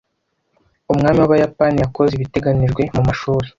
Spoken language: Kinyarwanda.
Umwami w'Abayapani yakoze ibiteganijwe mumashuri